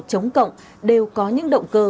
chống cộng đều có những động cơ